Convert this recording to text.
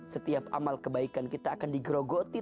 setiap amal kebaikan kita akan digrogoti